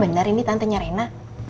bener ini tantanya reina